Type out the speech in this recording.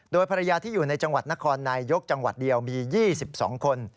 โดยภรรยาที่อยู่ในจังหวัดนครนายยกจังหวัดเดียวมี๒๒คน